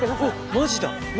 マジだ。